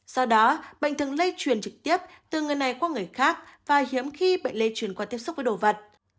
do đó bệnh thường lây truyền trực tiếp từ người này qua người khác và hiếm khi bệnh lây truyền qua tiếp xúc với đồ vật